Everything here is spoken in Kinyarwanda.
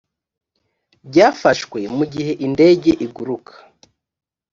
byafashwe mu gihe indege iguruka